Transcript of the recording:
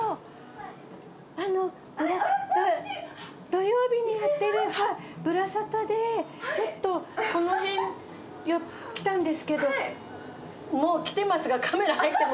土曜日にやってる『ぶらサタ』でちょっとこの辺来たんですけどもう来てますがカメラ入ってもいい？